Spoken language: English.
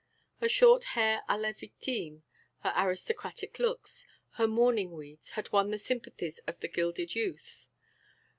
Her short hair à la victime, her aristocratic looks, her mourning weeds had won the sympathies of the gilded youth.